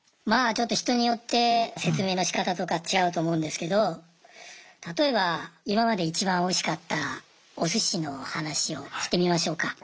まぁちょっと人によって説明のしかたとか違うと思うんですけど例えば今までいちばんおいしかったおすしの話をしてみましょうか。